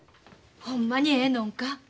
ほんまにええのんか？